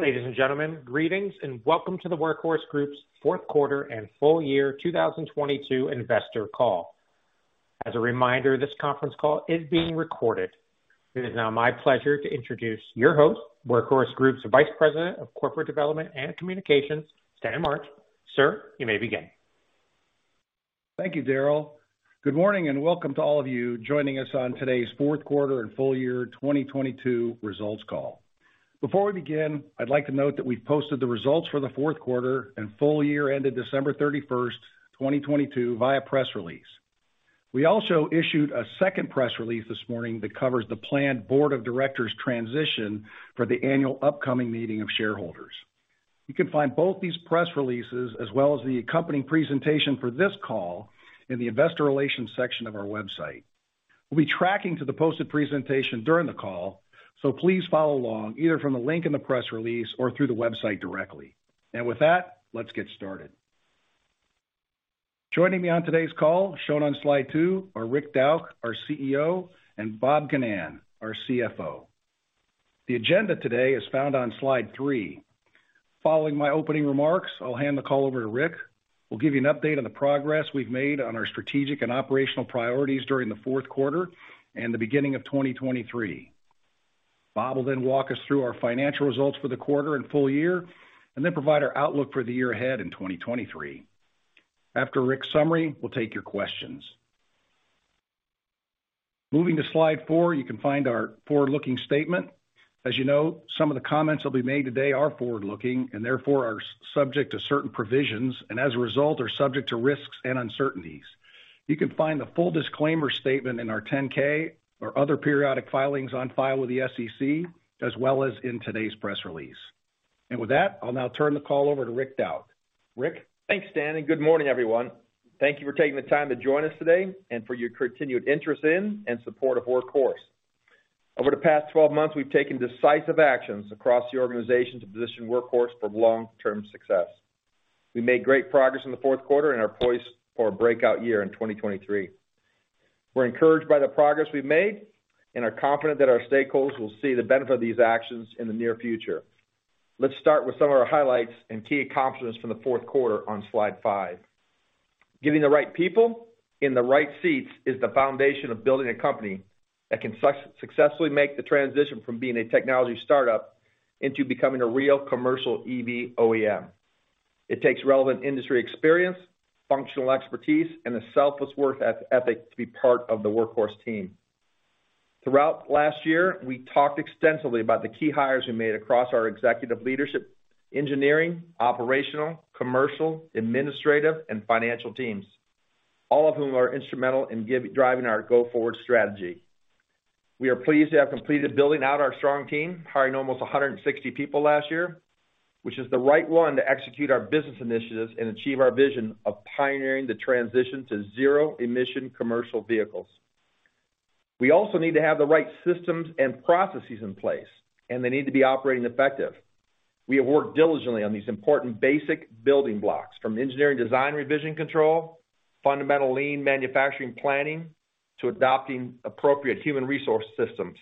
Ladies and gentlemen, greetings and welcome to the Workhorse Group's fourth quarter and full year 2022 investor call. As a reminder, this conference call is being recorded. It is now my pleasure to introduce your host, Workhorse Group's Vice President of Corporate Development and Communications, Stan March. Sir, you may begin. Thank you, Darryl. Good morning, and welcome to all of you joining us on today's fourth quarter and full year 2022 results call. Before we begin, I'd like to note that we've posted the results for the fourth quarter and full year ended December 31st, 2022 via press release. We also issued a second press release this morning that covers the planned board of directors transition for the annual upcoming meeting of shareholders. You can find both these press releases as well as the accompanying presentation for this call in the investor relations section of our website. We'll be tracking to the posted presentation during the call, so please follow along either from the link in the press release or through the website directly. With that, let's get started. Joining me on today's call shown on slide two are Rick Dauch, our CEO, and Bob Ginnan, our CFO. The agenda today is found on slide three. Following my opening remarks, I'll hand the call over to Rick, who will give you an update on the progress we've made on our strategic and operational priorities during the fourth quarter and the beginning of 2023. Bob will walk us through our financial results for the quarter and full year, and then provide our outlook for the year ahead in 2023. After Rick's summary, we'll take your questions. Moving to slide four, you can find our forward-looking statement. As you know, some of the comments that will be made today are forward-looking and therefore are subject to certain provisions, and as a result, are subject to risks and uncertainties. You can find the full disclaimer statement in our 10-K or other periodic filings on file with the SEC as well as in today's press release. With that, I'll now turn the call over to Rick Dauch. Rick. Thanks, Stan, and good morning, everyone. Thank you for taking the time to join us today and for your continued interest in and support of Workhorse Group. Over the past 12 months, we've taken decisive actions across the organization to position Workhorse Group for long-term success. We made great progress in the fourth quarter and are poised for a breakout year in 2023. We're encouraged by the progress we've made and are confident that our stakeholders will see the benefit of these actions in the near future. Let's start with some of our highlights and key accomplishments from the fourth quarter on slide five. Getting the right people in the right seats is the foundation of building a company that can successfully make the transition from being a technology startup into becoming a real commercial EV OEM. It takes relevant industry experience, functional expertise, and a selfless work ethic to be part of the Workhorse team. Throughout last year, we talked extensively about the key hires we made across our executive leadership, engineering, operational, commercial, administrative, and financial teams, all of whom are instrumental in driving our go-forward strategy. We are pleased to have completed building out our strong team, hiring almost 160 people last year, which is the right one to execute our business initiatives and achieve our vision of pioneering the transition to zero-emission commercial vehicles. We also need to have the right systems and processes in place, and they need to be operating effective. We have worked diligently on these important basic building blocks from engineering design revision control, fundamental lean manufacturing planning, to adopting appropriate human resource systems.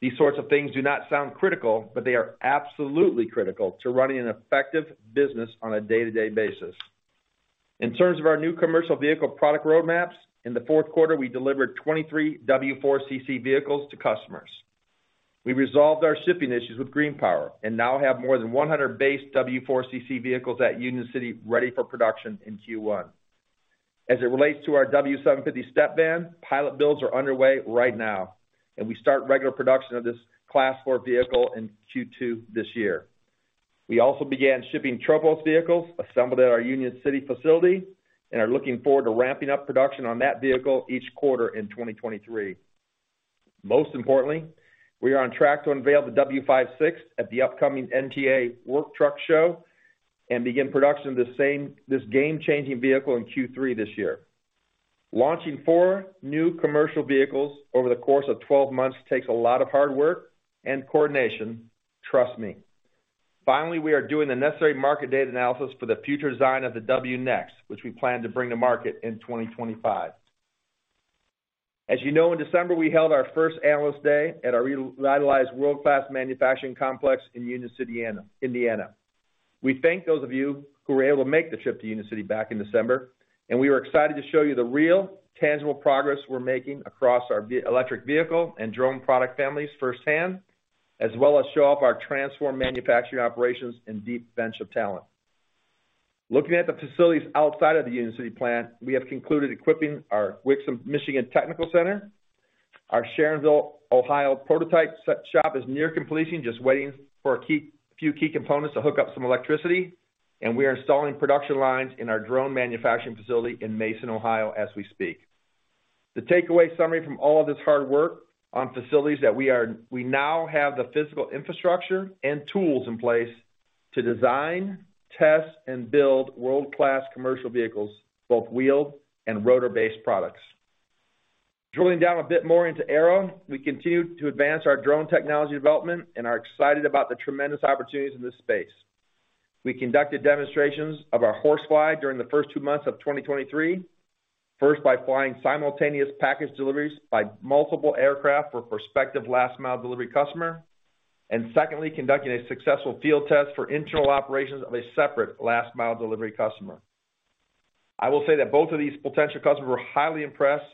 These sorts of things do not sound critical, but they are absolutely critical to running an effective business on a day-to-day basis. In terms of our new commercial vehicle product roadmaps, in the fourth quarter, we delivered 23 W4 CC vehicles to customers. We resolved our shipping issues with GreenPower and now have more than 100 base W4 CC vehicles at Union City ready for production in Q1. As it relates to our W750 step van, pilot builds are underway right now, and we start regular production of this Class 4 vehicle in Q2 this year. We also began shipping Tropos vehicles assembled at our Union City facility and are looking forward to ramping up production on that vehicle each quarter in 2023. Most importantly, we are on track to unveil the W56 at the upcoming NTEA Work Truck Show and begin production of the same, this game-changing vehicle in Q3 this year. Launching four new commercial vehicles over the course of 12 months takes a lot of hard work and coordination, trust me. Finally, we are doing the necessary market data analysis for the future design of the WNext, which we plan to bring to market in 2025. As you know, in December, we held our first Analyst Day at our revitalized world-class manufacturing complex in Union City, Indiana. We thank those of you who were able to make the trip to Union City back in December, and we were excited to show you the real tangible progress we're making across our electric vehicle and drone product families firsthand, as well as show off our transformed manufacturing operations and deep bench of talent. Looking at the facilities outside of the Union City plant, we have concluded equipping our Wixom, Michigan Technical Center. Our Sharonville, Ohio prototype shop is near completion, just waiting for a few key components to hook up some electricity, and we are installing production lines in our drone manufacturing facility in Mason, Ohio, as we speak. The takeaway summary from all of this hard work on facilities that we now have the physical infrastructure and tools in place to design, test, and build world-class commercial vehicles, both wheeled and rotor-based products. Drilling down a bit more into Aero, we continue to advance our drone technology development and are excited about the tremendous opportunities in this space. We conducted demonstrations of our HorseFly during the first two months of 2023, first by flying simultaneous package deliveries by multiple aircraft for prospective last mile delivery customer, and secondly, conducting a successful field test for internal operations of a separate last mile delivery customer. I will say that both of these potential customers were highly impressed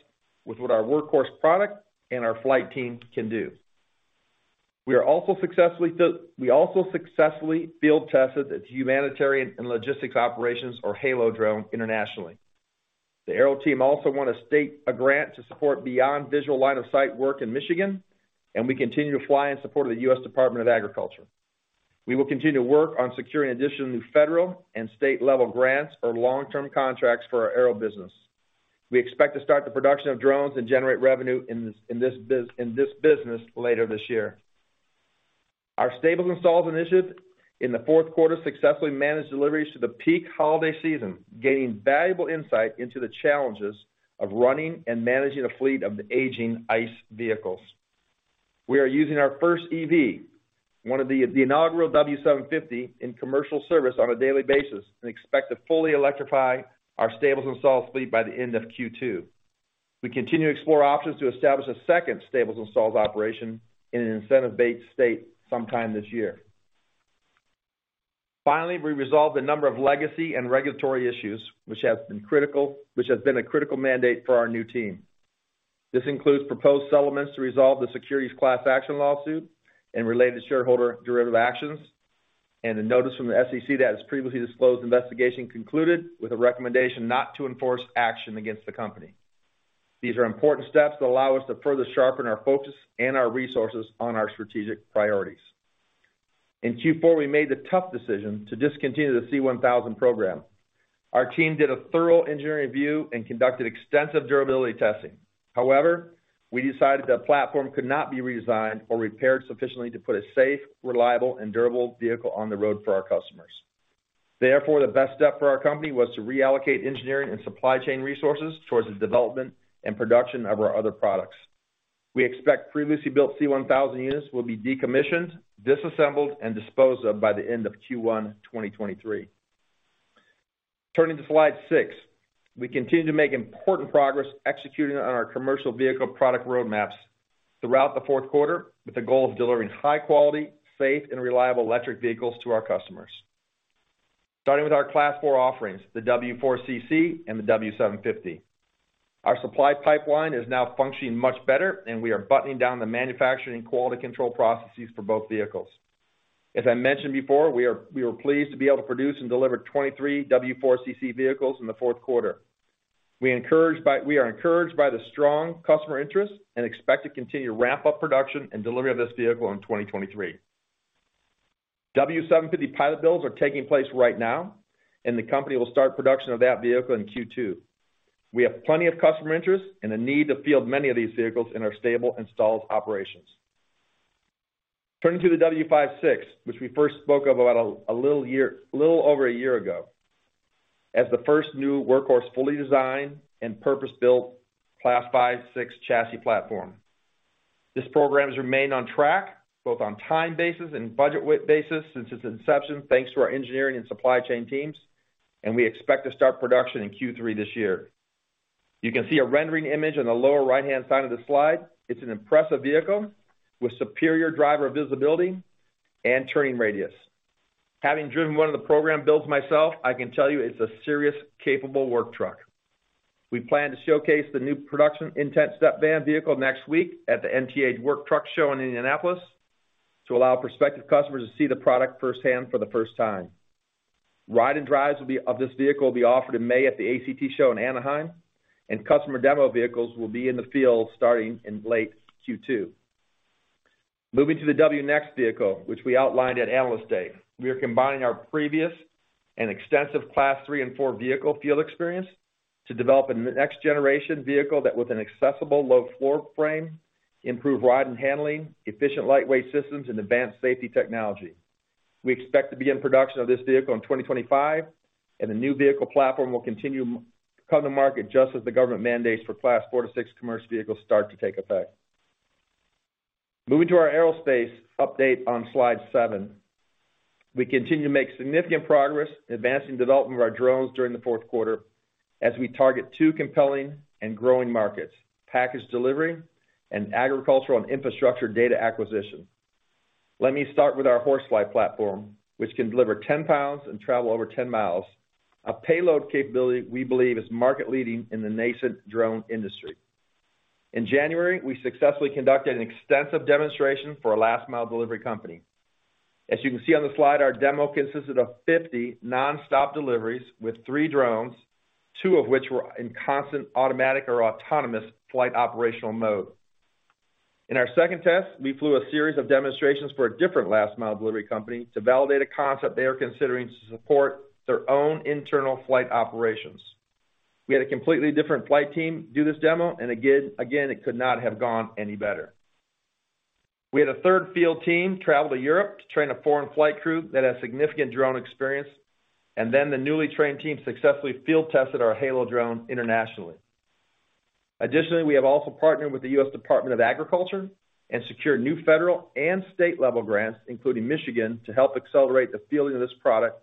with what our Workhorse product and our flight team can do. We also successfully field tested its humanitarian and logistics operations or HALO drone internationally. The Aero team also won a state, a grant to support beyond visual line of sight work in Michigan, and we continue to fly in support of the U.S. Department of Agriculture. We will continue to work on securing additional new federal and state-level grants or long-term contracts for our Aero business. We expect to start the production of drones and generate revenue in this business later this year. Our Stables & Stalls initiative in the fourth quarter successfully managed deliveries to the peak holiday season, gaining valuable insight into the challenges of running and managing a fleet of the aging ICE vehicles. We are using our first EV, one of the inaugural W750 in commercial service on a daily basis, and expect to fully electrify our Stables & Stalls fleet by the end of Q2. We continue to explore options to establish a second Stables & Stalls operation in an incentive bait state sometime this year. Finally, we resolved a number of legacy and regulatory issues, which has been a critical mandate for our new team. This includes proposed settlements to resolve the securities class action lawsuit and related shareholder derivative actions, and a notice from the SEC that its previously disclosed investigation concluded with a recommendation not to enforce action against the company. These are important steps that allow us to further sharpen our focus and our resources on our strategic priorities. In Q4, we made the tough decision to discontinue the C1000 program. Our team did a thorough engineering review and conducted extensive durability testing. However, we decided the platform could not be redesigned or repaired sufficiently to put a safe, reliable, and durable vehicle on the road for our customers. Therefore, the best step for our company was to reallocate engineering and supply chain resources towards the development and production of our other products. We expect previously built C1000 units will be decommissioned, disassembled, and disposed of by the end of Q1 2023. Turning to slide six. We continue to make important progress executing on our commercial vehicle product roadmaps throughout the fourth quarter with the goal of delivering high quality, safe, and reliable electric vehicles to our customers. Starting with our Class 4 offerings, the W4 CC and the W750. Our supply pipeline is now functioning much better, and we are buttoning down the manufacturing quality control processes for both vehicles. As I mentioned before, we were pleased to be able to produce and deliver 23 W4 CC vehicles in the fourth quarter. We are encouraged by the strong customer interest and expect to continue to ramp up production and delivery of this vehicle in 2023. W750 pilot builds are taking place right now, and the company will start production of that vehicle in Q2. We have plenty of customer interest and a need to field many of these vehicles in our Stables & Stalls operations. Turning to the W56, which we first spoke of about a little over a year ago, as the first new Workhorse fully designed and purpose-built Class 5, Class 6 chassis platform. This program has remained on track, both on time basis and budget basis since its inception, thanks to our engineering and supply chain teams, and we expect to start production in Q3 this year. You can see a rendering image on the lower right-hand side of the slide. It's an impressive vehicle with superior driver visibility and turning radius. Having driven one of the program builds myself, I can tell you it's a serious, capable work truck. We plan to showcase the new production intent step van vehicle next week at the NTEA Work Truck Show in Indianapolis to allow prospective customers to see the product firsthand for the first time. Ride and drives of this vehicle will be offered in May at the ACT Expo in Anaheim, and customer demo vehicles will be in the field starting in late Q2. Moving to the WNext vehicle, which we outlined at Analyst Day. We are combining our previous and extensive Class 3 and Class 4 vehicle field experience to develop a next generation vehicle that with an accessible low floor frame, improved ride and handling, efficient lightweight systems, and advanced safety technology. We expect to be in production of this vehicle in 2025, and the new vehicle platform will continue come to market just as the government mandates for Class 4- Class 6 commercial vehicles start to take effect. Moving to our aerospace update on slide seven. We continue to make significant progress in advancing development of our drones during the fourth quarter as we target two compelling and growing markets, package delivery and agricultural and infrastructure data acquisition. Let me start with our HorseFly platform, which can deliver 10 lbs and travel over 10 mi. A payload capability we believe is market leading in the nascent drone industry. In January, we successfully conducted an extensive demonstration for a last mile delivery company. As you can see on the slide, our demo consisted of 50 nonstop deliveries with three drones, two of which were in constant automatic or autonomous flight operational mode. In our second test, we flew a series of demonstrations for a different last mile delivery company to validate a concept they are considering to support their own internal flight operations. We had a completely different flight team do this demo and again, it could not have gone any better. We had a third field team travel to Europe to train a foreign flight crew that had significant drone experience, and then the newly trained team successfully field tested our HALO drone internationally. Additionally, we have also partnered with the U.S. Department of Agriculture and secured new federal and state-level grants, including Michigan, to help accelerate the fielding of this product.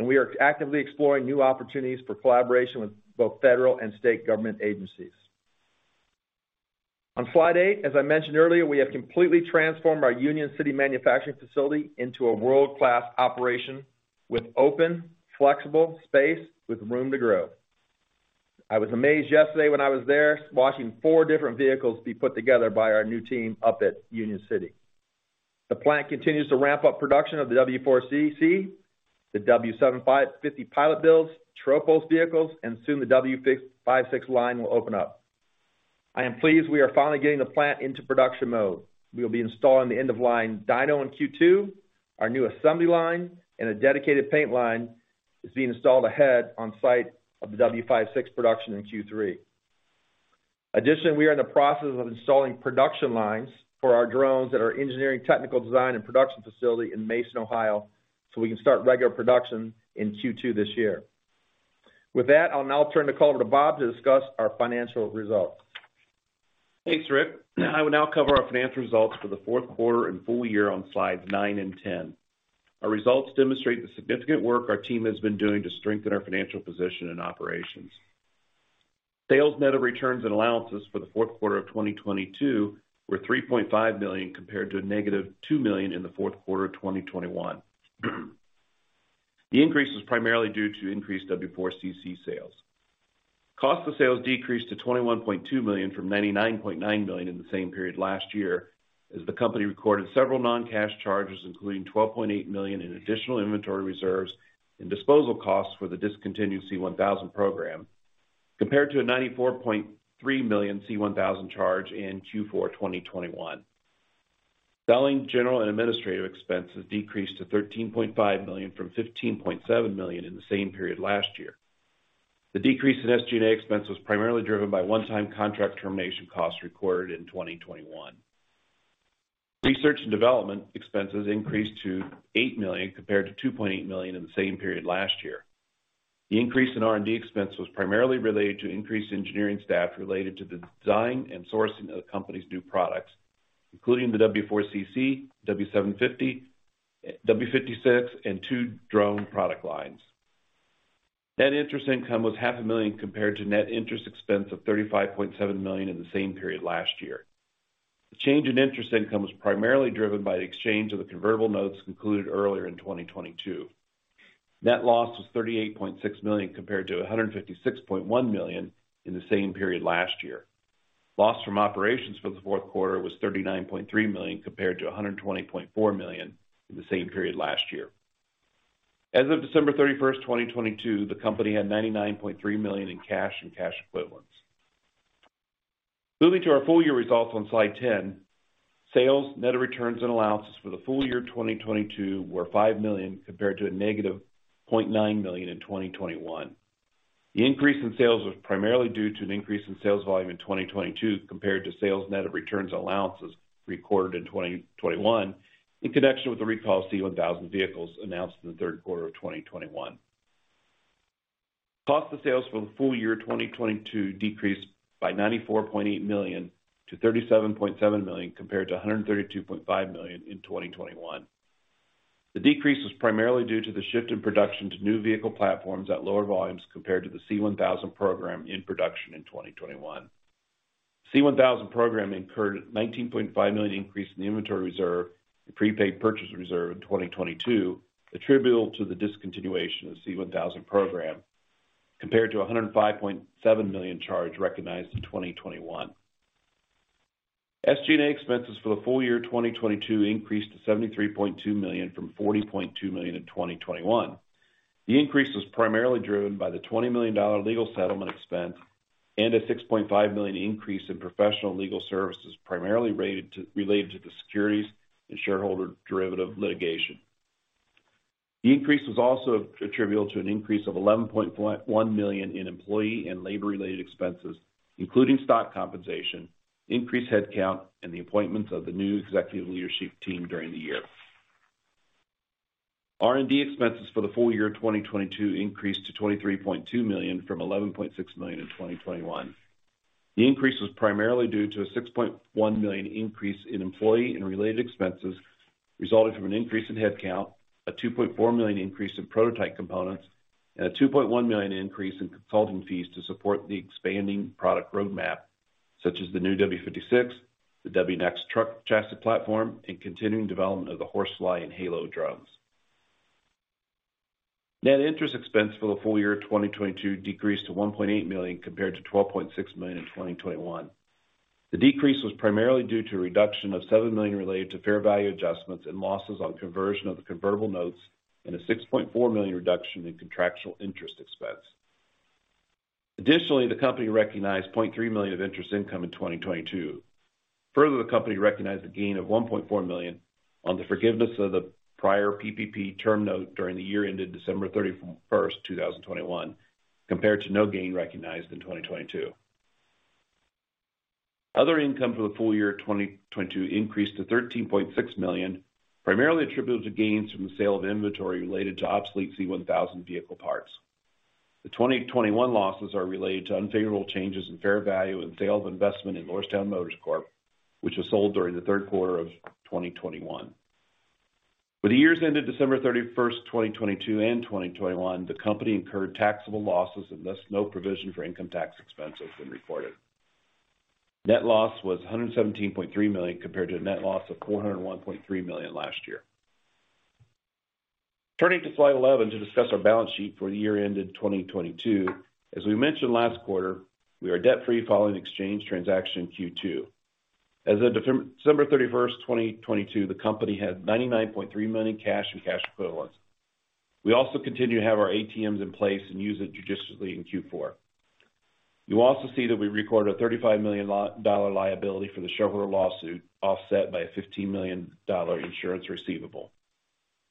We are actively exploring new opportunities for collaboration with both federal and state government agencies. On slide eight, as I mentioned earlier, we have completely transformed our Union City manufacturing facility into a world-class operation with open, flexible space with room to grow. I was amazed yesterday when I was there watching four different vehicles be put together by our new team up at Union City. The plant continues to ramp up production of the W4 CC, the W750 pilot builds, Tropos vehicles, and soon the W56 line will open up. I am pleased we are finally getting the plant into production mode. We will be installing the end-of-line dyno in Q2, our new assembly line, and a dedicated paint line is being installed ahead on site of the W56 production in Q3. We are in the process of installing production lines for our drones at our engineering, technical design, and production facility in Mason, Ohio, so we can start regular production in Q2 this year. With that, I'll now turn the call over to Bob to discuss our financial results. Thanks, Rick. I will now cover our financial results for the fourth quarter and full year on slides nine and 10. Our results demonstrate the significant work our team has been doing to strengthen our financial position and operations. Sales net of returns and allowances for the fourth quarter of 2022 were $3.5 million compared to -$2 million in the fourth quarter of 2021. The increase was primarily due to increased W4 CC sales. Cost of sales decreased to $21.2 million from $99.9 million in the same period last year, as the company recorded several non-cash charges, including $12.8 million in additional inventory reserves and disposal costs for the discontinued C1000 program, compared to a $94.3 million C1000 charge in Q4 2021. Selling, general, and administrative expenses decreased to $13.5 million from $15.7 million in the same period last year. The decrease in SG&A expense was primarily driven by one-time contract termination costs recorded in 2021. Research and development expenses increased to $8 million compared to $2.8 million in the same period last year. The increase in R&D expense was primarily related to increased engineering staff related to the design and sourcing of the company's new products, including the W4 CC, W750, W56, and two drone product lines. Net interest income was half a million compared to net interest expense of $35.7 million in the same period last year. The change in interest income was primarily driven by the exchange of the convertible notes concluded earlier in 2022. Net loss was $38.6 million compared to $156.1 million in the same period last year. Loss from operations for the fourth quarter was $39.3 million compared to $120.4 million in the same period last year. As of December 31, 2022, the company had $99.3 million in cash and cash equivalents. Moving to our full-year results on slide 10. Sales, net of returns and allowances for the full year 2022 were $5 million compared to a negative $0.9 million in 2021. The increase in sales was primarily due to an increase in sales volume in 2022 compared to sales net of returns and allowances recorded in 2021 in connection with the recalled C1000 vehicles announced in the third quarter of 2021. Cost of sales for the full year 2022 decreased by $94.8 million to $37.7 million compared to $132.5 million in 2021. The decrease was primarily due to the shift in production to new vehicle platforms at lower volumes compared to the C1000 program in production in 2021. C1000 program incurred $19.5 million increase in the inventory reserve and prepaid purchase reserve in 2022, attributable to the discontinuation of C1000 program, compared to $105.7 million charge recognized in 2021. SG&A expenses for the full year 2022 increased to $73.2 million from $40.2 million in 2021. The increase was primarily driven by the $20 million legal settlement expense and a $6.5 million increase in professional legal services primarily related to the securities and shareholder derivative litigation. The increase was also attributable to an increase of $11.1 million in employee and labor-related expenses, including stock compensation, increased headcount, and the appointments of the new executive leadership team during the year. R&D expenses for the full year 2022 increased to $23.2 million from $11.6 million in 2021. The increase was primarily due to a $6.1 million increase in employee and related expenses resulting from an increase in headcount, a $2.4 million increase in prototype components, and a $2.1 million increase in consulting fees to support the expanding product roadmap, such as the new W56, the WNext truck chassis platform, and continuing development of the HorseFly and HALO drones. Net interest expense for the full year 2022 decreased to $1.8 million compared to $12.6 million in 2021. The decrease was primarily due to a reduction of $7 million related to fair value adjustments and losses on conversion of the convertible notes and a $6.4 million reduction in contractual interest expense. Additionally, the company recognized $0.3 million of interest income in 2022. Further, the company recognized a gain of $1.4 million on the forgiveness of the prior PPP term note during the year ended December 31st, 2021, compared to no gain recognized in 2022. Other income for the full year 2022 increased to $13.6 million, primarily attributed to gains from the sale of inventory related to obsolete C1000 vehicle parts. The 2021 losses are related to unfavorable changes in fair value and sale of investment in Lordstown Motors Corp., which was sold during the third quarter of 2021. For the years ended December 31st, 2022 and 2021, the company incurred taxable losses and thus no provision for income tax expense has been reported. Net loss was $117.3 million, compared to a net loss of $401.3 million last year. Turning to slide 11 to discuss our balance sheet for the year ended 2022. As we mentioned last quarter, we are debt-free following exchange transaction in Q2. As of December 31st, 2022, the company had $99.3 million cash and cash equivalents. We also continue to have our ATMs in place and use it judicially in Q4. You also see that we recorded a $35 million liability for the shareholder lawsuit, offset by a $15 million insurance receivable.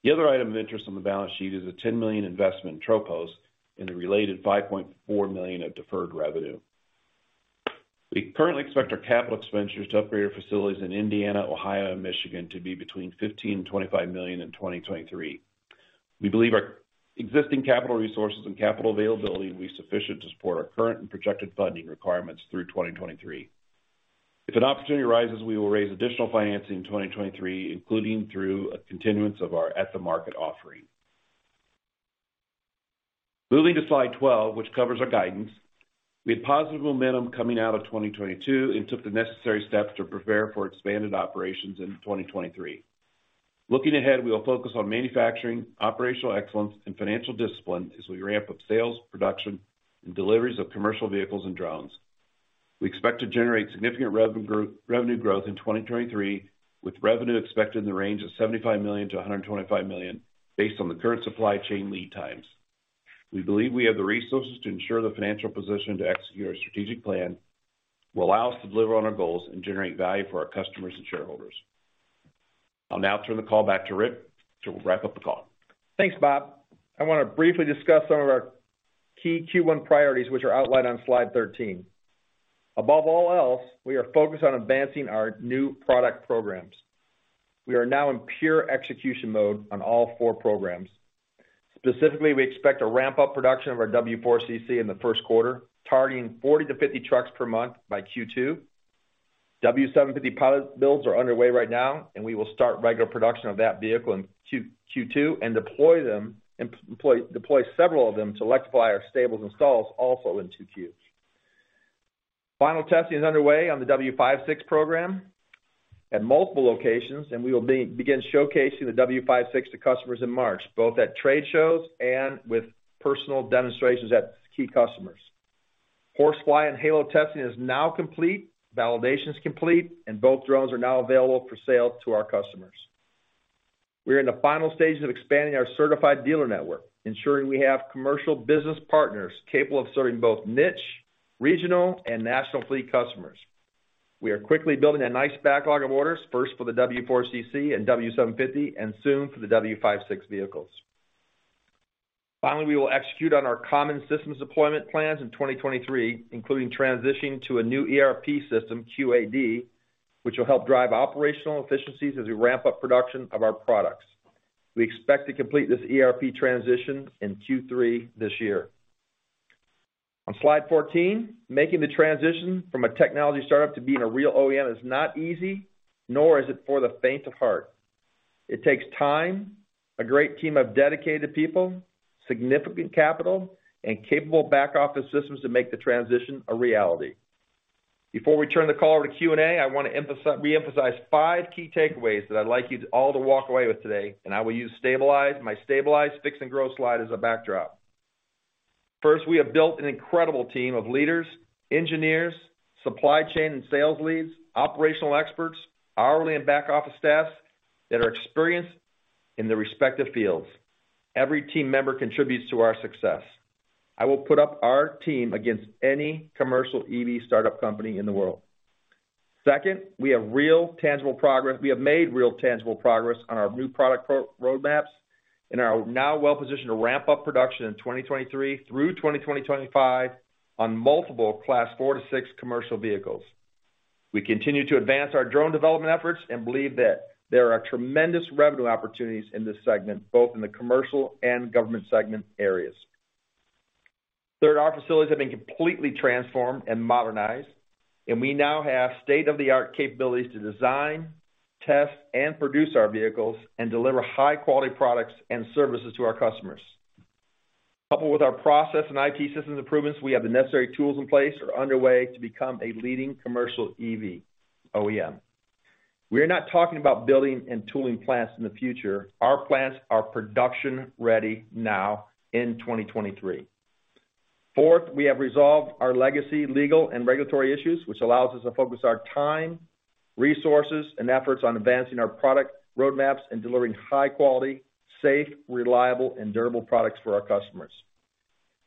The other item of interest on the balance sheet is a $10 million investment in Tropos and a related $5.4 million of deferred revenue. We currently expect our capital expenditures to upgrade our facilities in Indiana, Ohio and Michigan to be between $15 million-$25 million in 2023. We believe our existing capital resources and capital availability will be sufficient to support our current and projected funding requirements through 2023. If an opportunity arises, we will raise additional financing in 2023, including through a continuance of our at-the-market offering. Moving to slide 12, which covers our guidance. We had positive momentum coming out of 2022 and took the necessary steps to prepare for expanded operations in 2023. Looking ahead, we will focus on manufacturing, operational excellence and financial discipline as we ramp up sales, production and deliveries of commercial vehicles and drones. We expect to generate significant revenue growth in 2023, with revenue expected in the range of $75 million-$125 million based on the current supply chain lead times. We believe we have the resources to ensure the financial position to execute our strategic plan will allow us to deliver on our goals and generate value for our customers and shareholders. I'll now turn the call back to Rick Dauch to wrap up the call. Thanks, Bob. I wanna briefly discuss some of our key Q1 priorities, which are outlined on slide 13. Above all else, we are focused on advancing our new product programs. We are now in pure execution mode on all four programs. Specifically, we expect to ramp up production of our W4 CC in the first quarter, targeting 40 to 50 trucks per month by Q2. W750 pilot builds are underway right now, and we will start regular production of that vehicle in Q2 and deploy several of them to electrify our Stables & Stalls also in Q2. Final testing is underway on the W56 program at multiple locations, and we will begin showcasing the W56 to customers in March, both at trade shows and with personal demonstrations at key customers. HorseFly and HALO testing is now complete, validation is complete, and both drones are now available for sale to our customers. We are in the final stages of expanding our certified dealer network, ensuring we have commercial business partners capable of serving both niche, regional and national fleet customers. We are quickly building a nice backlog of orders, first for the W4 CC and W750, and soon for the W56 vehicles. Finally, we will execute on our common systems deployment plans in 2023, including transitioning to a new ERP system, QAD, which will help drive operational efficiencies as we ramp up production of our products. We expect to complete this ERP transition in Q3 this year. On slide 14, making the transition from a technology startup to being a real OEM is not easy, nor is it for the faint of heart. It takes time, a great team of dedicated people, significant capital and capable back office systems to make the transition a reality. Before we turn the call to Q&A, I wanna re-emphasize five key takeaways that I'd like you all to walk away with today, I will use my stabilize, fix and grow slide as a backdrop. First, we have built an incredible team of leaders, engineers, supply chain and sales leads, operational experts, hourly and back office staff that are experienced in their respective fields. Every team member contributes to our success. I will put up our team against any commercial EV startup company in the world. Second, we have made real tangible progress on our new product pro-roadmaps and are now well positioned to ramp up production in 2023 through 2025 on multiple Class 4-Class 6 commercial vehicles. We continue to advance our drone development efforts and believe that there are tremendous revenue opportunities in this segment, both in the commercial and government segment areas. Third, our facilities have been completely transformed and modernized, and we now have state-of-the-art capabilities to design, test, and produce our vehicles and deliver high-quality products and services to our customers. Coupled with our process and IT systems improvements, we have the necessary tools in place or underway to become a leading commercial EV OEM. We are not talking about building and tooling plants in the future. Our plants are production ready now in 2023. Fourth, we have resolved our legacy, legal and regulatory issues, which allows us to focus our time, resources, and efforts on advancing our product roadmaps and delivering high quality, safe, reliable and durable products for our customers.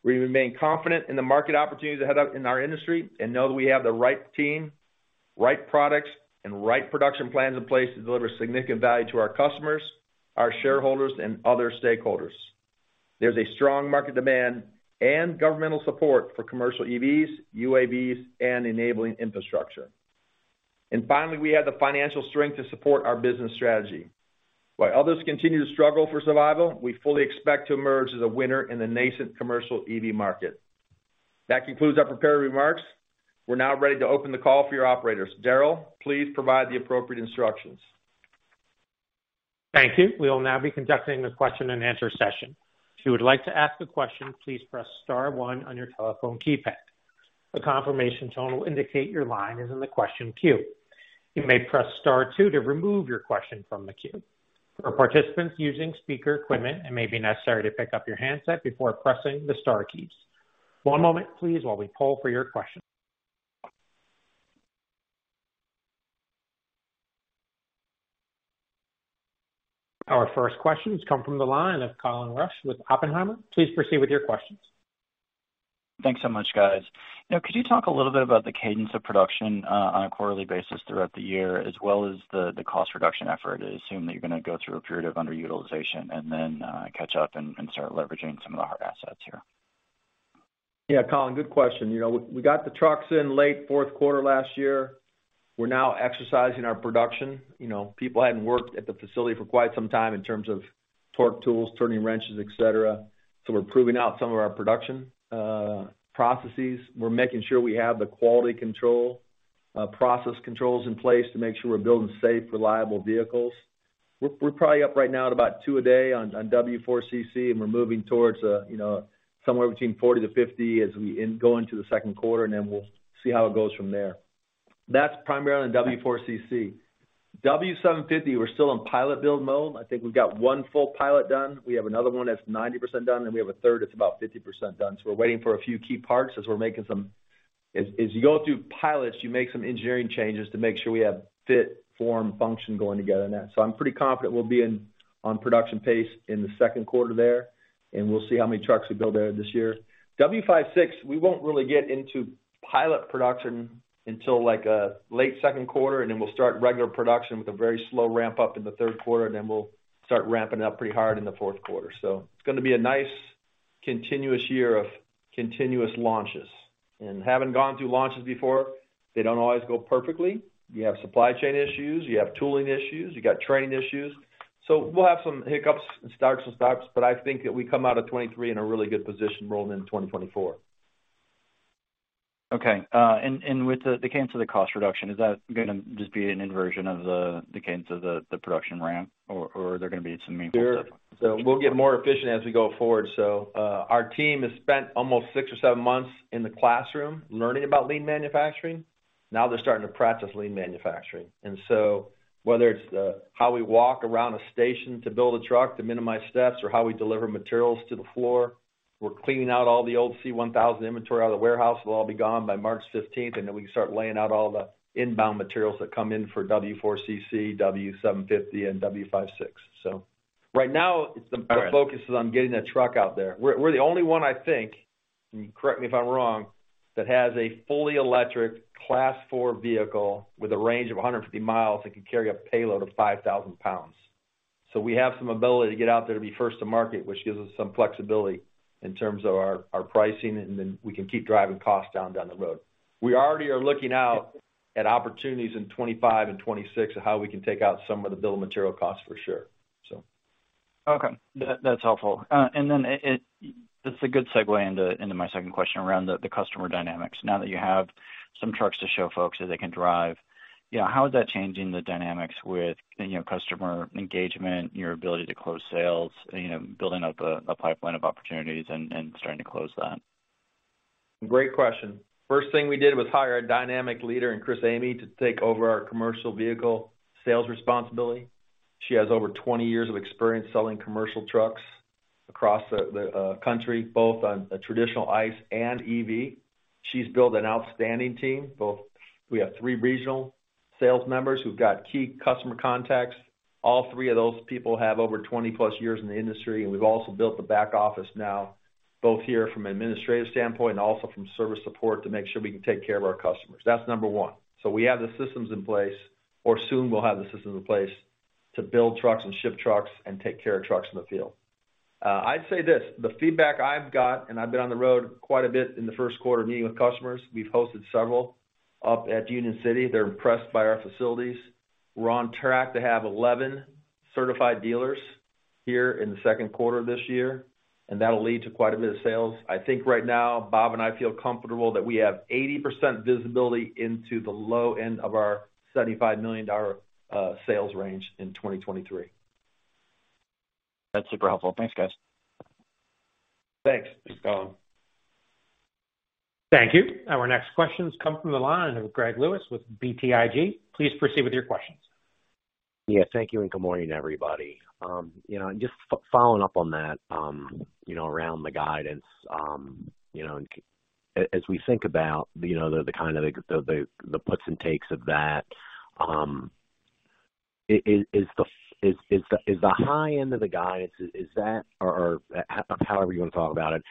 We remain confident in the market opportunities in our industry and know that we have the right team, right products, and right production plans in place to deliver significant value to our customers, our shareholders and other stakeholders. There's a strong market demand and governmental support for commercial EVs, UAVs, and enabling infrastructure. Finally, we have the financial strength to support our business strategy. While others continue to struggle for survival, we fully expect to emerge as a winner in the nascent commercial EV market. That concludes our prepared remarks. We're now ready to open the call for your operators. Darryl, please provide the appropriate instructions. Thank you. We will now be conducting a question-and-answer session. If you would like to ask a question, please press star one on your telephone keypad. A confirmation tone will indicate your line is in the question queue. You may press star two to remove your question from the queue. For participants using speaker equipment, it may be necessary to pick up your handset before pressing the star keys. One moment, please, while we poll for your questions. Our first question has come from the line of Colin Rusch with Oppenheimer & Co. Please proceed with your questions. Thanks so much, guys. You know, could you talk a little bit about the cadence of production, on a quarterly basis throughout the year, as well as the cost reduction effort? I assume that you're gonna go through a period of underutilization and then, catch up and start leveraging some of the hard assets here. Yeah, Colin Rusch, good question. You know, we got the trucks in late fourth quarter last year. We're now exercising our production. You know, people hadn't worked at the facility for quite some time in terms of torque tools, turning wrenches, et cetera, so we're proving out some of our production processes. We're making sure we have the quality control process controls in place to make sure we're building safe, reliable vehicles. We're probably up right now at about two a day on W4 CC, and we're moving towards, you know, somewhere between 40-50 as we go into the second quarter, we'll see how it goes from there. That's primarily on W4 CC. W750, we're still in pilot build mode. I think we've got one full pilot done. We have another one that's 90% done, and we have a third that's about 50% done, so we're waiting for a few key parts as we're making some engineering changes to make sure we have fit, form, function going together in that. I'm pretty confident we'll be on production pace in the second quarter there, and we'll see how many trucks we build there this year. W56, we won't really get into pilot production until, like, late second quarter, and then we'll start regular production with a very slow ramp-up in the third quarter, and then we'll start ramping up pretty hard in the fourth quarter. It's gonna be a nice continuous year of continuous launches. Having gone through launches before, they don't always go perfectly. You have supply chain issues, you have tooling issues, you got training issues. We'll have some hiccups and starts and stops, but I think that we come out of 2023 in a really good position rolling into 2024. Okay. with the cadence of the cost reduction, is that gonna just be an inversion of the cadence of the production ramp or are there gonna be some meaningful steps-? We'll get more efficient as we go forward. Our team has spent almost six or seven months in the classroom learning about lean manufacturing. Now they're starting to practice lean manufacturing. Whether it's how we walk around a station to build a truck to minimize steps or how we deliver materials to the floor, we're cleaning out all the old C1000 inventory out of the warehouse. It'll all be gone by March 15th, and then we can start laying out all the inbound materials that come in for W4 CC, W750, and W56. Right now, the focus is on getting the truck out there. We're the only one, I think, and correct me if I'm wrong, that has a fully electric Class 4 vehicle with a range of 150 mi that can carry a payload of 5,000 lbs. We have some ability to get out there to be first to market, which gives us some flexibility in terms of our pricing, and then we can keep driving costs down the road. We already are looking out at opportunities in 2025 and 2026 of how we can take out some of the bill of material costs for sure. Okay. That's helpful. It's a good segue into my second question around the customer dynamics. Now that you have some trucks to show folks that they can drive, you know, how is that changing the dynamics with, you know, customer engagement, your ability to close sales, you know, building up a pipeline of opportunities and starting to close that? Great question. First thing we did was hire a dynamic leader in Chris Amy to take over our commercial vehicle sales responsibility. She has over 20 years of experience selling commercial trucks across the country, both on a traditional ICE and EV. She's built an outstanding team. We have three regional sales members who've got key customer contacts. All three of those people have over 20 years+ in the industry. We've also built the back office now, both here from an administrative standpoint and also from service support to make sure we can take care of our customers. That's number one. We have the systems in place, or soon we'll have the systems in place to build trucks and ship trucks and take care of trucks in the field. I'd say this, the feedback I've got, and I've been on the road quite a bit in the first quarter meeting with customers, we've hosted several up at Union City. They're impressed by our facilities. We're on track to have 11 certified dealers here in the second quarter of this year, and that'll lead to quite a bit of sales. I think right now, Bob and I feel comfortable that we have 80% visibility into the low end of our $75 million sales range in 2023. That's super helpful. Thanks, guys. Thanks. Thanks, Colin. Thank you. Our next questions come from the line of Greg Lewis with BTIG. Please proceed with your questions. Thank you, and good morning, everybody. You know, just following up on that, you know, as we think about, you know, the kind of the puts and takes of that, is the high end of the guidance, is that or however you wanna talk about it,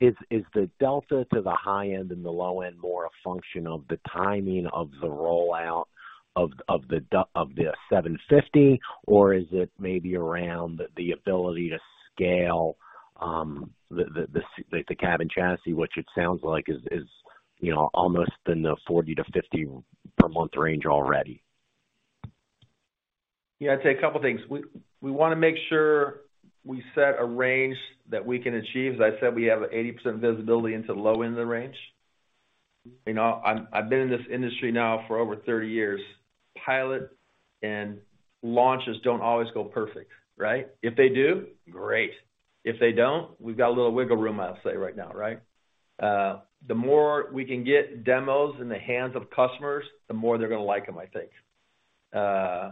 is the delta to the high end and the low end more a function of the timing of the rollout of the W750, or is it maybe around the ability to scale the cab chassis, which it sounds like is You know, almost in the 40 to 50 per month range already? I'd say a couple of things. We wanna make sure we set a range that we can achieve. As I said, we have 80% visibility into the low end of the range. You know, I've been in this industry now for over 30 years. Pilot and launches don't always go perfect, right? If they do, great. If they don't, we've got a little wiggle room, I'll say right now, right? The more we can get demos in the hands of customers, the more they're gonna like them, I think.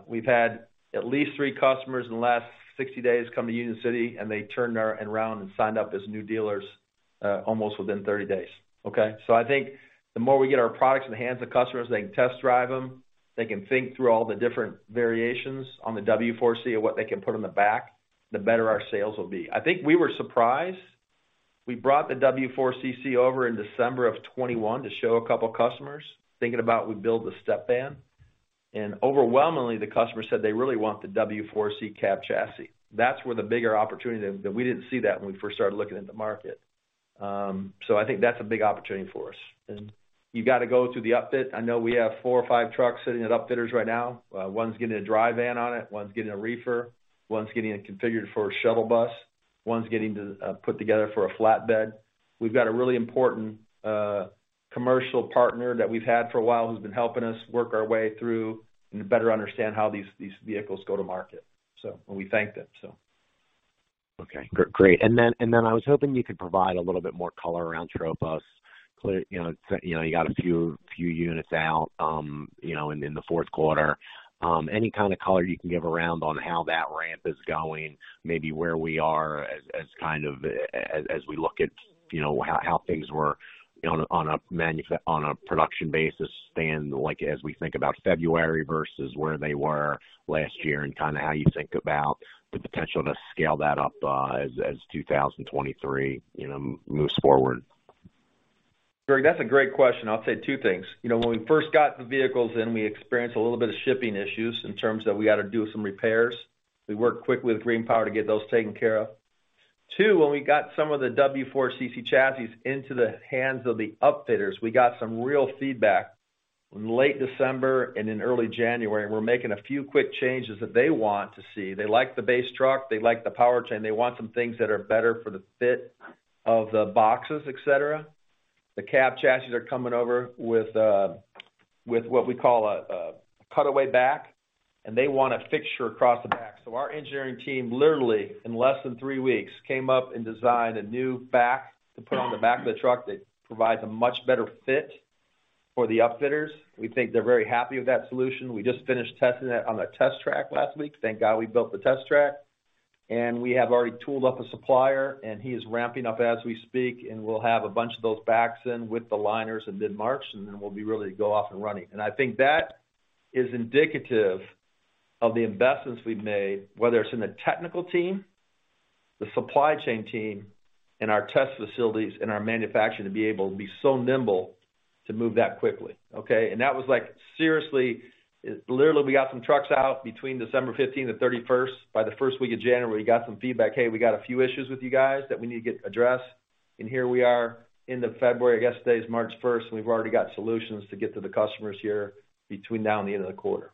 We've had at least three customers in the last 60 days come to Union City, and they turned around and signed up as new dealers, almost within 30 days. Okay? I think the more we get our products in the hands of customers, they can test drive them, they can think through all the different variations on the W4 CC of what they can put on the back, the better our sales will be. I think we were surprised. We brought the W4 CC over in December 2021 to show a couple of customers, thinking about we build the step van. Overwhelmingly, the customer said they really want the W4 CC cab chassis. That's where the bigger opportunity, that we didn't see that when we first started looking at the market. I think that's a big opportunity for us. You got to go through the upfit. I know we have four or five trucks sitting at upfitters right now. One's getting a dry van on it, one's getting a reefer, one's getting it configured for a shuttle bus, one's getting to put together for a flatbed. We've got a really important commercial partner that we've had for a while who's been helping us work our way through and to better understand how these vehicles go to market. We thank them, so. Okay. Great. I was hoping you could provide a little bit more color around Tropos. You know, you got a few units out, you know, in the fourth quarter. Any kind of color you can give around on how that ramp is going, maybe where we are as kind of as we look at, you know, how things were on a production basis stand, like as we think about February versus where they were last year and kind of how you think about the potential to scale that up as 2023, you know, moves forward. Greg, that's a great question. I'll say two things. You know, when we first got the vehicles in, we experienced a little bit of shipping issues in terms of we got to do some repairs. We worked quickly with GreenPower to get those taken care of. Two, when we got some of the W4 CC chassis into the hands of the upfitters, we got some real feedback in late December and in early January. We're making a few quick changes that they want to see. They like the base truck, they like the powertrain. They want some things that are better for the fit of the boxes, et cetera. The cab chassis are coming over with what we call a cutaway back, and they want a fixture across the back. Our engineering team, literally, in less than three weeks, came up and designed a new back to put on the back of the truck that provides a much better fit for the upfitters. We think they're very happy with that solution. We just finished testing it on a test track last week. Thank God we built the test track. We have already tooled up a supplier, and he is ramping up as we speak, and we'll have a bunch of those backs in with the liners in mid-March, and then we'll be really go off and running. I think that is indicative of the investments we've made, whether it's in the technical team, the supply chain team, and our test facilities and our manufacturing to be able to be so nimble to move that quickly. Okay? That was like, seriously, literally, we got some trucks out between December 15th and 31st. By the first week of January, we got some feedback, "Hey, we got a few issues with you guys that we need to get addressed." Here we are into February. I guess today is March 1st, and we've already got solutions to get to the customers here between now and the end of the quarter.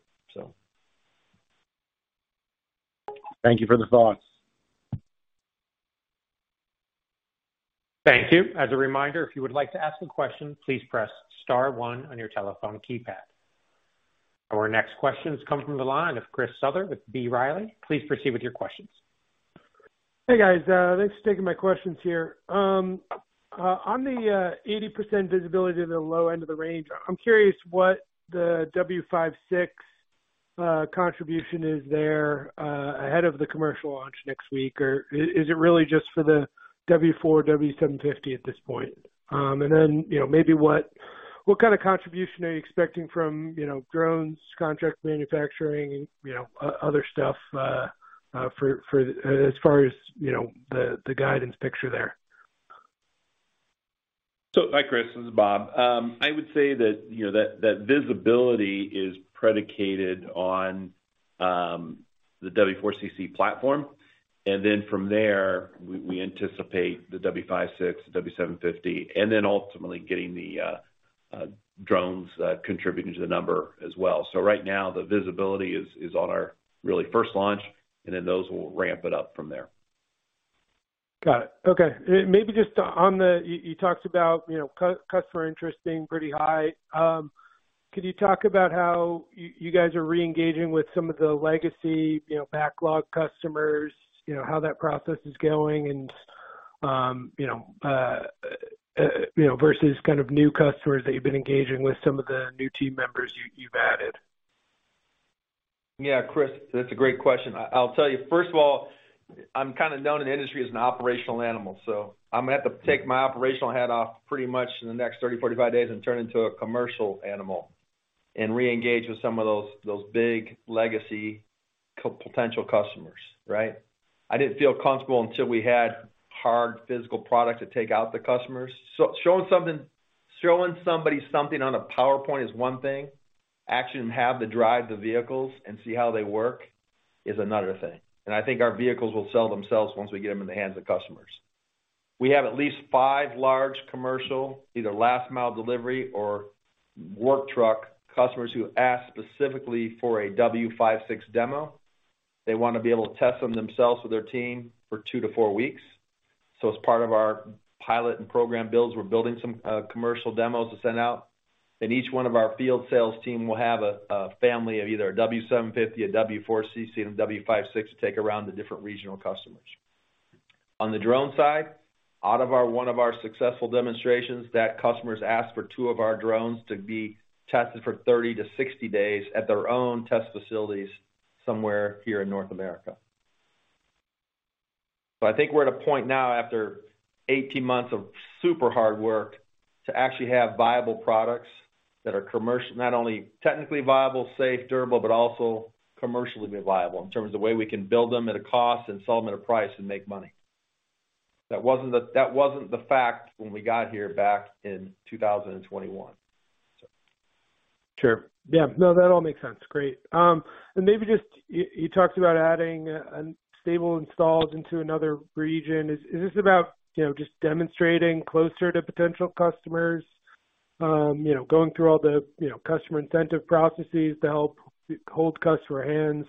Thank you for the thoughts. Thank you. As a reminder, if you would like to ask a question, please press star one on your telephone keypad. Our next question comes from the line of Chris Souther with B. Riley Securities. Please proceed with your questions. Hey, guys, thanks for taking my questions here. On the 80% visibility of the low end of the range, I'm curious what the W56 contribution is there ahead of the commercial launch next week. Is it really just for the W4 CC, W750 at this point? Then, you know, maybe what kind of contribution are you expecting from, you know, drones, contract manufacturing, you know, other stuff for as far as, you know, the guidance picture there? Hi, Chris Souther, this is Bob. I would say that, you know, that visibility is predicated on the W4 CC platform. From there, we anticipate the W56, W750, and then ultimately getting the drones contributing to the number as well. Right now, the visibility is on our really first launch, and then those will ramp it up from there. Got it. Okay. Maybe just. You talked about, you know, customer interest being pretty high. Could you talk about how you guys are reengaging with some of the legacy, you know, backlog customers, you know, how that process is going and, you know, you know, versus kind of new customers that you've been engaging with some of the new team members you've added? Yeah, Chris, that's a great question. I'll tell you, first of all, I'm kinda known in the industry as an operational animal, so I'm gonna have to take my operational hat off pretty much in the next 30, 45 days and turn into a commercial animal and reengage with some of those big legacy potential customers, right? I didn't feel comfortable until we had hard physical product to take out to customers. So showing something showing somebody something on a PowerPoint is one thing. Actually have them drive the vehicles and see how they work is another thing. I think our vehicles will sell themselves once we get them in the hands of customers. We have at least five large commercial, either last mile delivery or work truck customers who ask specifically for a W56 demo. They wanna be able to test them themselves with their team for two-four weeks. As part of our pilot and program builds, we're building some commercial demos to send out, and each one of our field sales team will have a family of either a W750, a W4 CC, and a W56 to take around to different regional customers. On the drone side, one of our successful demonstrations that customers ask for two of our drones to be tested for 30-60 days at their own test facilities somewhere here in North America. I think we're at a point now, after 18 months of super hard work, to actually have viable products that are commercial... Not only technically viable, safe, durable, but also commercially viable in terms of the way we can build them at a cost and sell them at a price and make money. That wasn't the fact when we got here back in 2021. Sure. Yeah. No, that all makes sense. Great. Maybe just you talked about adding Stables & Stalls into another region. Is this about, you know, just demonstrating closer to potential customers, you know, going through all the, you know, customer incentive processes to help hold customer hands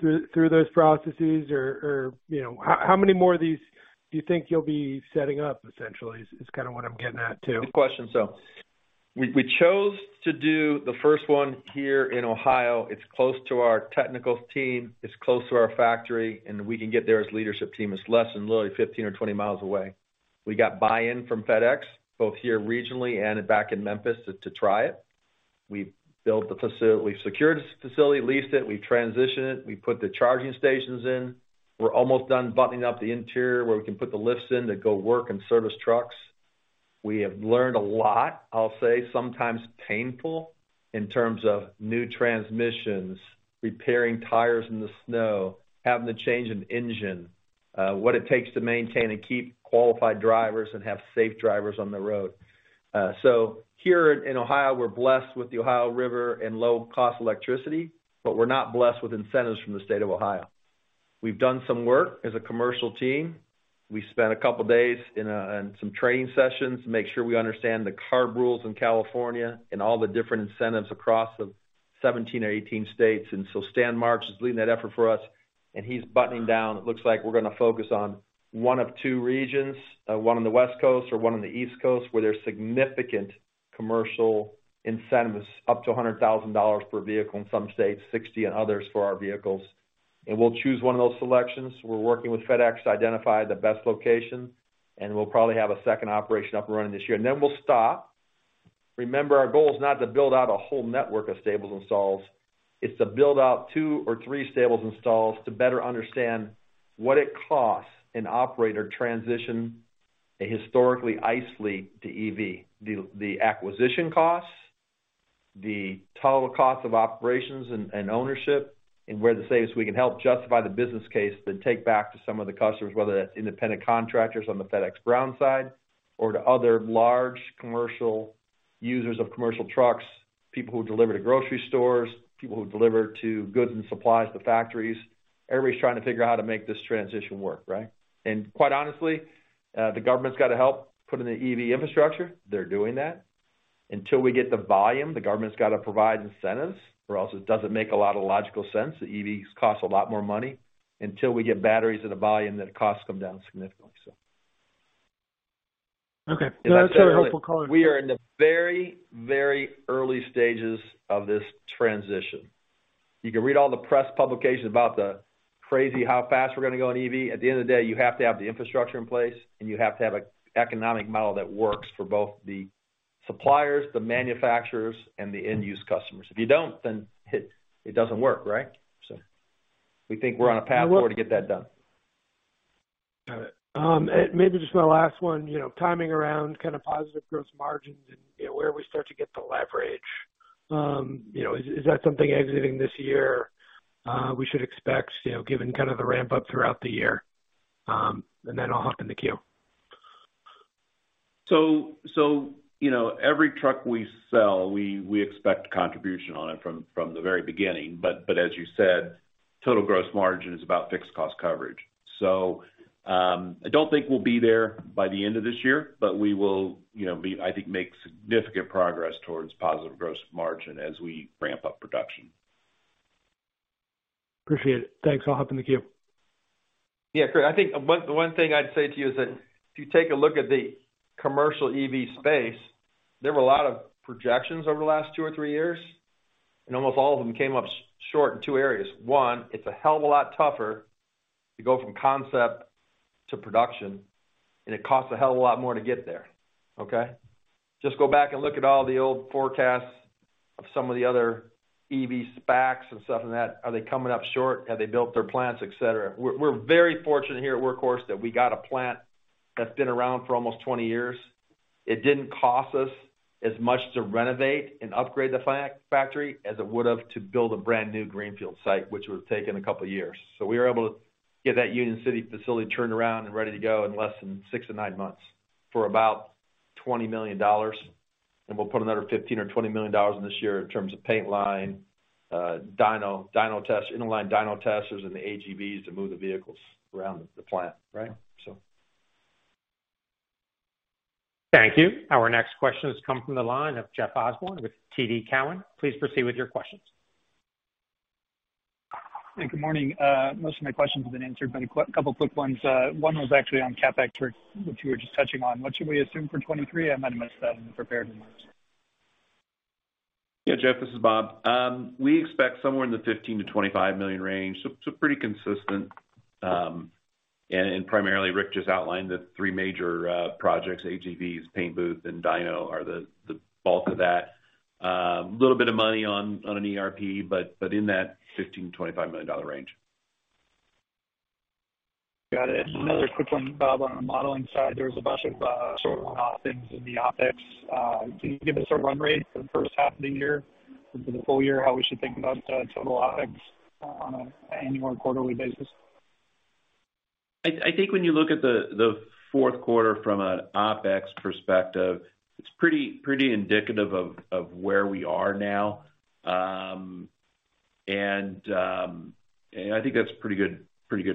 through those processes? How many more of these do you think you'll be setting up essentially, is kinda what I'm getting at too. Good question. We chose to do the first one here in Ohio. It's close to our technical team, it's close to our factory, and we can get there as leadership team. It's less than literally 15 mi or 20 mi away. We got buy-in from FedEx, both here regionally and back in Memphis to try it. We built the facility, we secured the facility, leased it, we transitioned it, we put the charging stations in. We're almost done buttoning up the interior where we can put the lifts in to go work on service trucks. We have learned a lot, I'll say, sometimes painful in terms of new transmissions, repairing tires in the snow, having to change an engine, what it takes to maintain and keep qualified drivers and have safe drivers on the road. So here in Ohio, we're blessed with the Ohio River and low cost electricity, but we're not blessed with incentives from the state of Ohio. We've done some work as a commercial team. We spent a couple days on some training sessions to make sure we understand the CARB rules in California and all the different incentives across the 17 or 18 states. Stan March is leading that effort for us, and he's buttoning down. It looks like we're gonna focus on one of two regions, one on the West Coast or one on the East Coast, where there's significant commercial incentives, up to $100,000 per vehicle in some states, $60,000 in others for our vehicles. We'll choose one of those selections. We're working with FedEx to identify the best location, and we'll probably have a second operation up and running this year. Then we'll stop. Remember, our goal is not to build out a whole network of Stables & Stalls. It's to build out two or three Stables & Stalls to better understand what it costs an operator to transition a historically ICE fleet to EV. The acquisition costs, the total cost of operations and ownership, and where the savings we can help justify the business case to take back to some of the customers, whether that's independent contractors on the FedEx Ground side or to other large commercial users of commercial trucks, people who deliver to grocery stores, people who deliver to goods and supplies to factories. Everybody's trying to figure out how to make this transition work, right? Quite honestly, the government's gotta help put in the EV infrastructure. They're doing that. Until we get the volume, the government's gotta provide incentives or else it doesn't make a lot of logical sense. The EVs cost a lot more money until we get batteries at a volume, then costs come down significantly, so. Okay. No, that's very helpful color- We are in the very, very early stages of this transition. You can read all the press publications about the crazy how fast we're gonna go on EV. At the end of the day, you have to have the infrastructure in place, and you have to have a economic model that works for both the suppliers, the manufacturers, and the end use customers. If you don't, then it doesn't work, right? We think we're on a path forward to get that done. Maybe just my last one, you know, timing around kind of positive gross margins and, you know, where we start to get the leverage. You know, is that something exiting this year, we should expect, you know, given kind of the ramp up throughout the year? Then I'll hop in the queue. You know, every truck we sell, we expect contribution on it from the very beginning. As you said, total gross margin is about fixed cost coverage. I don't think we'll be there by the end of this year, but we will, you know, I think, make significant progress towards positive gross margin as we ramp up production. Appreciate it. Thanks. I'll hop in the queue. Yeah, sure. I think one, the one thing I'd say to you is that if you take a look at the commercial EV space, there were a lot of projections over the last two or three years, and almost all of them came up short in two areas. One, it's a hell of a lot tougher to go from concept to production, and it costs a hell of a lot more to get there, okay? Just go back and look at all the old forecasts of some of the other EV SPACs and stuff, and that. Are they coming up short? Have they built their plants, et cetera? We're very fortunate here at Workhorse that we got a plant that's been around for almost 20 years. It didn't cost us as much to renovate and upgrade the factory as it would have to build a brand new greenfield site, which would have taken a couple years. We were able to get that Union City facility turned around and ready to go in less than six months-nine months for about $20 million. We'll put another $15 million or $20 million in this year in terms of paint line, dyno test, in-line dyno testers, and the AGVs to move the vehicles around the plant, right? Thank you. Our next question has come from the line of Jeff Osborne with TD Cowen. Please proceed with your questions. Hey, good morning. Most of my questions have been answered, but a couple quick ones. One was actually on CapEx, which you were just touching on. What should we assume for 23? I might have missed that when you prepared remarks. Yeah, Jeff Osborne, this is Bob. We expect somewhere in the $15 million-$25 million range, so pretty consistent. Primarily Rick just outlined the three major projects, AGVs, paint booth, and dyno are the bulk of that. Little bit of money on an ERP, but in that $15 million-$25 million range. Got it. Another quick one, Bob, on the modeling side. There was a bunch of, sort of OpEx in the OpEx. Can you give us a run rate for the first half of the year or for the full year, how we should think about, total OpEx on a annual and quarterly basis? I think when you look at the fourth quarter from an OpEx perspective, it's pretty indicative of where we are now. I think that's pretty good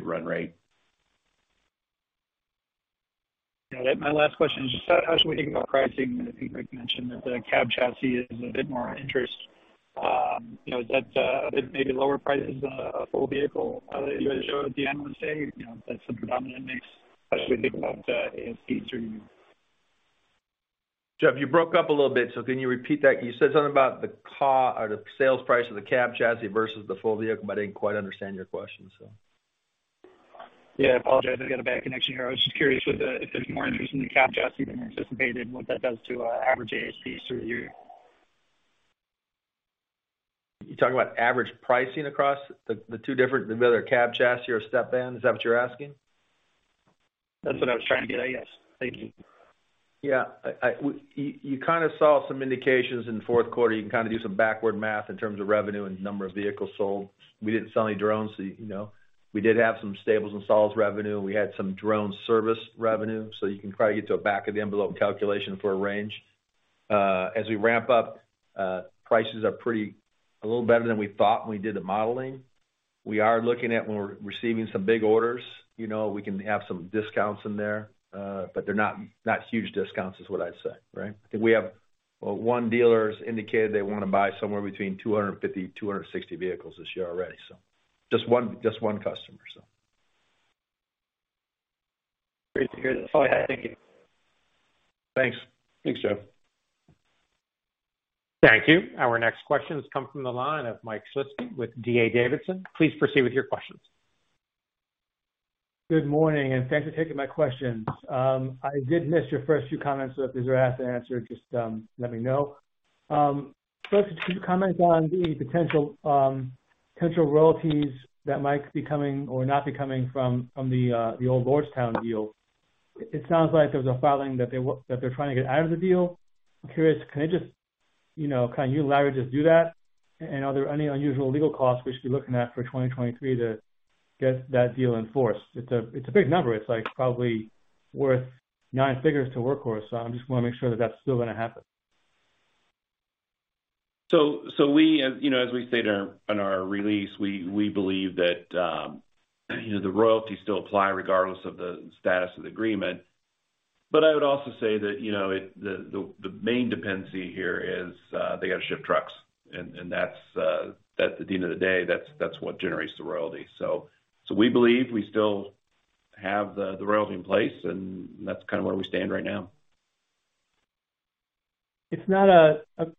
run rate. Got it. My last question is just how should we think about pricing? I think Rick mentioned that the cab chassis is a bit more interest. You know, is that a bit maybe lower prices than a full vehicle? You guys showed at the end when saying, you know, that's the predominant mix, how should we think about ASPs through you? Jeff, you broke up a little bit, so can you repeat that? You said something about the sales price of the cab chassis versus the full vehicle, but I didn't quite understand your question. I apologize. I got a bad connection here. I was just curious if there's more interest in the cab chassis than you anticipated and what that does to average ASPs through the year. You talking about average pricing across the two different, the other cab chassis or step van? Is that what you're asking? That's what I was trying to get at, yes. Thank you. You kind of saw some indications in the fourth quarter. You can kind of do some backward math in terms of revenue and number of vehicles sold. We didn't sell any drones, so, you know. We did have some Stables & Stalls revenue. We had some drone service revenue. You can probably get to a back of the envelope calculation for a range. As we ramp up, prices are pretty a little better than we thought when we did the modeling. We are looking at when we're receiving some big orders, you know, we can have some discounts in there, but they're not huge discounts is what I'd say, right? I think we have, well, one dealer's indicated they wanna buy somewhere between 250-260 vehicles this year already. Just one customer so. Great to hear that. Thank you. Thanks. Thanks, Jeff. Thank you. Our next question has come from the line of Mike Shlisky with D.A. Davidson. Please proceed with your questions. Good morning, thanks for taking my questions. I did miss your first few comments, so if these are half the answer, just let me know. First, could you comment on any potential royalties that might be coming or not be coming from the old Lordstown deal? It sounds like there's a filing that they're trying to get out of the deal. I'm curious, can they just, you know, can you and Larry just do that? Are there any unusual legal costs we should be looking at for 2023 to get that deal in force? It's a big number. It's, like, probably worth 9 figures to Workhorse, so I just wanna make sure that that's still gonna happen. We, as, you know, as we stated in our, in our release, we believe that, you know, the royalties still apply regardless of the status of the agreement. I would also say that, you know, the main dependency here is they gotta ship trucks and that's that at the end of the day, that's what generates the royalty. We believe we still have the royalty in place, and that's kind of where we stand right now. It's not a thought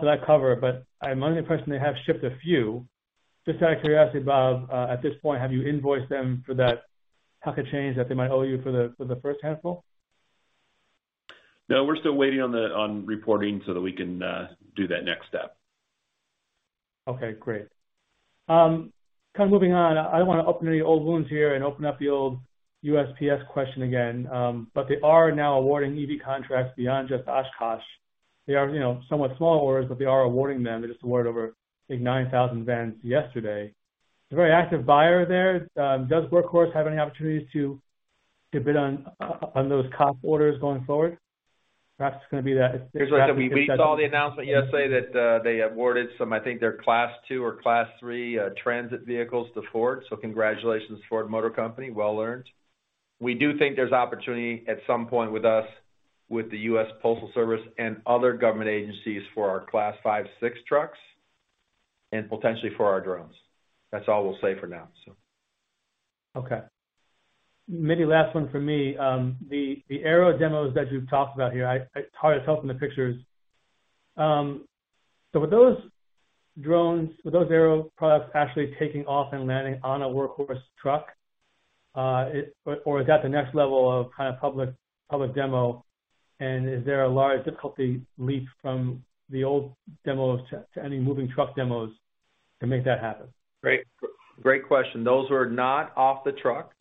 that I cover, but I'm under the impression they have shipped a few. Just out of curiosity, Bob, at this point, have you invoiced them for that per-truck change that they might owe you for the, for the first handful? We're still waiting on reporting so that we can do that next step. Okay, great. kind of moving on, I don't wanna open any old wounds here and open up the old USPS question again. They are now awarding EV contracts beyond just Oshkosh. They are, you know, somewhat small orders, but they are awarding them. They just awarded over, I think, 9,000 vans yesterday. They're a very active buyer there. Does Workhorse have any opportunities to bid on those COF orders going forward? Perhaps it's gonna be that- We saw the announcement yesterday that they awarded some, I think, their class 2 or class 3 transit vehicles to Ford. Congratulations, Ford Motor Company. Well earned. We do think there's opportunity at some point with the U.S. Postal Service and other government agencies for our class 5, class 6 trucks and potentially for our drones. That's all we'll say for now, so. Okay. Maybe last one from me. The Aero demos that you've talked about here, it's hard to tell from the pictures. With those drones, with those Aero products actually taking off and landing on a Workhorse truck, or is that the next level of kind of public demo? Is there a large difficulty leap from the old demos to any moving truck demos to make that happen? Great, great question. Those were not off the truck.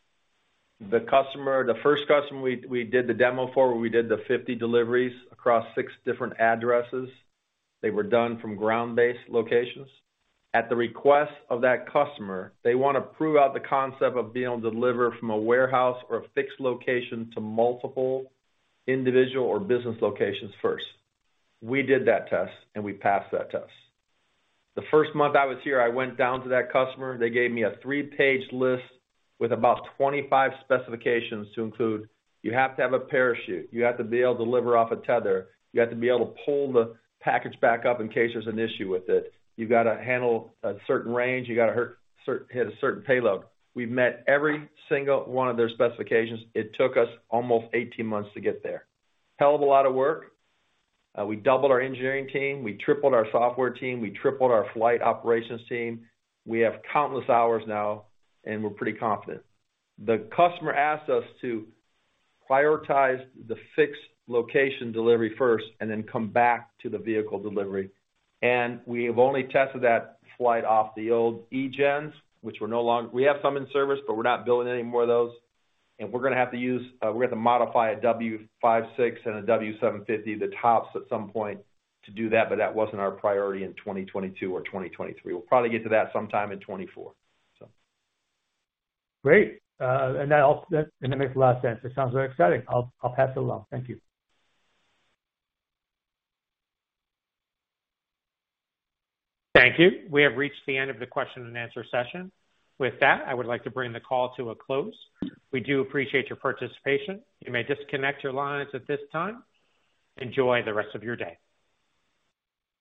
The customer, the first customer we did the demo for, where we did the 50 deliveries across six different addresses, they were done from ground-based locations. At the request of that customer, they wanna prove out the concept of being able to deliver from a warehouse or a fixed location to multiple individual or business locations first. We did that test, and we passed that test. The first month I was here, I went down to that customer. They gave me a three page list with about 25 specifications to include: you have to have a parachute, you have to be able to deliver off a tether, you have to be able to pull the package back up in case there's an issue with it, you gotta handle a certain range, you gotta hit a certain payload. We've met every single one of their specifications. It took us almost 18 months to get there. Hell of a lot of work. We doubled our engineering team. We tripled our software team. We tripled our flight operations team. We have countless hours now, and we're pretty confident. The customer asked us to prioritize the fixed location delivery first and then come back to the vehicle delivery. We have only tested that flight off the old E-GEN. We have some in service, but we're not building any more of those. We're gonna have to use, we're gonna have to modify a W56 and a W750, the tops at some point to do that, but that wasn't our priority in 2022 or 2023. We'll probably get to that sometime in 2024. Great. That makes a lot of sense. It sounds very exciting. I'll pass it along. Thank you. Thank you. We have reached the end of the question and answer session. With that, I would like to bring the call to a close. We do appreciate your participation. You may disconnect your lines at this time. Enjoy the rest of your day.